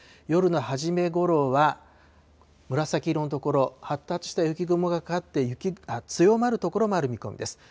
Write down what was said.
夜の初めごろは、紫色の所、発達した雪雲がかかって、強まる所もある見込みです。